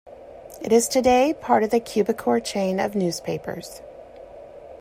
It is today part of the Quebecor chain of newspapers.